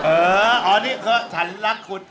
อ๋อนี่คือฉันรักคุณ